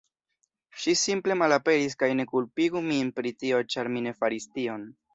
Ŝi simple malaperis kaj ne kulpigu min pri tio ĉar mi ne faris tion